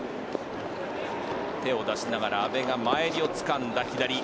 手を出しながら阿部が前襟をつかんだ、左。